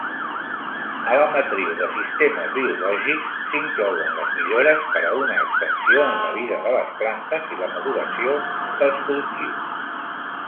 A la matriu de sistemes biològics s"inclouen les millores per a una extensió en la vida de les plantes i la maduració dels cultius.